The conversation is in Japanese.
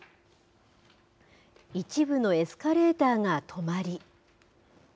一部のエスカレーターが止まり。